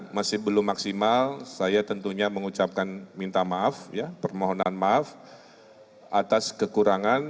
masih belum maksimal saya tentunya mengucapkan permohonan maaf atas kekurangan